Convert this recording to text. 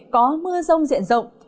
có mưa rông diện rộng